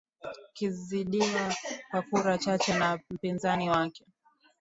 kuzidiwa kwa kura chache na mpinzani wake